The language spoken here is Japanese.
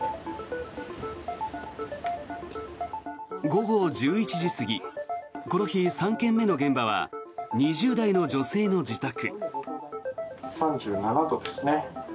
午後１１時過ぎこの日３件目の現場は２０代の女性の自宅。